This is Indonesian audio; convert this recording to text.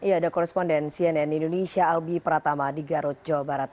ya ada koresponden cnn indonesia albi pratama di garut jawa barat